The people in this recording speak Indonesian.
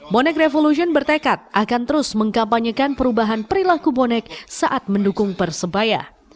bonek revolution bertekad akan terus mengkampanyekan perubahan perilaku bonek saat mendukung persebaya